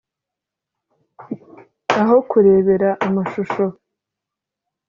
aho kurebera amashusho